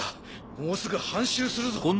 もうすぐ半周するぞ。